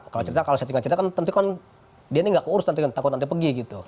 kalau cerita kalau saya tinggal cerita kan tentu kan dia ini nggak keurus nanti takut nanti pergi gitu